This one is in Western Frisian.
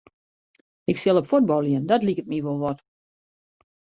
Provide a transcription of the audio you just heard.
Ik sil op fuotbaljen, dat liket my wol wat.